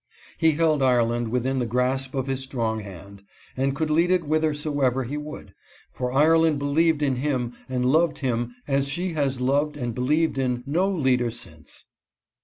He held Ireland within the grasp of his strong hand, and could lead it whithersoever he would, for Ireland believed in him and loved him as she has 296 0. A. BR0WNS0N. loved and believed in no leader since.